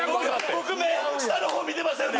僕目下のほう見てましたよね。